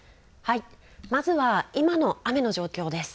まずは今の雨の状況です。